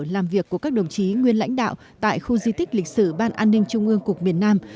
làm việc của các đồng chí nguyên lãnh đạo tại khu di tích lịch sử ban an ninh trung ương cục miền nam